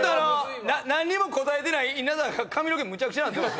何にも答えてない稲田が髪の毛むちゃくちゃなってます。